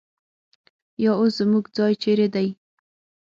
یا اوس زموږ ځای چېرې دی؟